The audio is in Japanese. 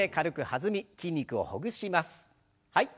はい。